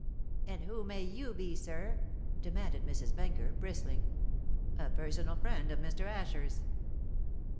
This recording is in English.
"And who may you be, sir?" demanded Mrs. Benker, bristling. "A personal friend of Mr. Asher's."